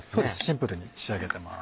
シンプルに仕上げてます。